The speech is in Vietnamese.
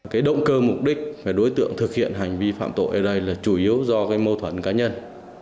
cái động cơ mục đích đối tượng thực hiện hành vi phạm tội ở đây là chủ yếu do cái mâu thuẫn cá nhân